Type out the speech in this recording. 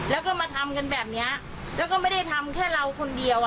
แล้วก็มาทำกันแบบเนี้ยแล้วก็ไม่ได้ทำแค่เราคนเดียวอ่ะ